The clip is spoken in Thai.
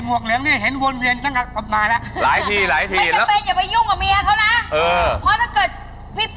บิบแตความกับความไม่นามสำหรับตามครับ